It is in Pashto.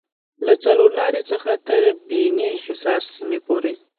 له څلورلارې څخه تر بیني حصار سیمې پورې